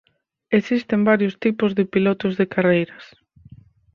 Existen varios tipos de pilotos de carreiras.